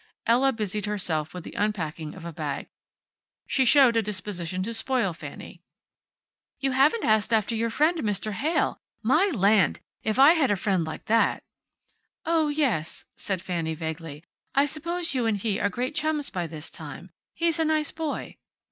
Ella busied herself with the unpacking of a bag. She showed a disposition to spoil Fanny. "You haven't asked after your friend, Mr. Heyl. My land! If I had a friend like that " "Oh, yes," said Fanny, vaguely. "I suppose you and he are great chums by this time. He's a nice boy."